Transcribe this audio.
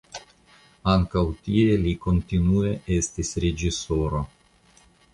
Ankaŭ tie li kontinue estis reĝisoro.